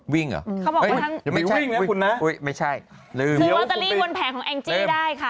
วิ่งเหรอเดี๋ยวไม่วิ่งนะคุณแม่ไม่ใช่ซึ่งลอตเตอรี่บนแผลของแองจี้ได้ค่ะ